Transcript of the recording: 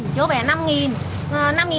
chứ không phải là năm